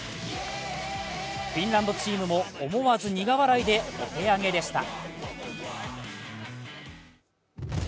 フィンランドチームも思わず苦笑いでお手上げでした。